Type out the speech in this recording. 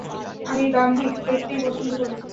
আমি দাম্ভিক, দেখতেই পাচ্ছেন।